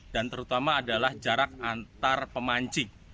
dan terutama adalah jarak antar pemancing